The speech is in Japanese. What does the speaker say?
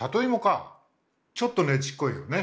ちょっとねちっこいよね